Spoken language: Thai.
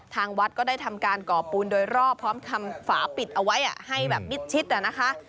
ทางวัดก็ได้ทำการก่อปูนโดยรอบพร้อมทำฝาปิดเอาไว้ให้แบบมิดชิดนะคะ